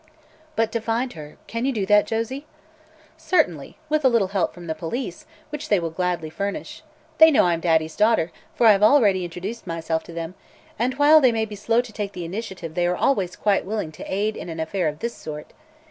"But to find her; can you do that, Josie?" "Certainly, with a little help from the police, which they will gladly furnish. They know I'm Daddy's daughter, for I have already introduced myself to them, and while they may be slow to take the initiative they are always quite willing to aid in an affair of this sort.